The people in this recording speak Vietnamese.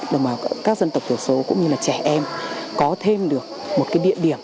đồng bào các dân tộc thiểu số cũng như là trẻ em có thêm được một cái địa điểm